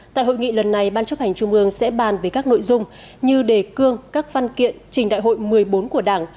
tại hội nghị lần này ban chấp hành trung ương sẽ bàn về các nội dung như đề cương các văn kiện trình đại hội một mươi bốn của đảng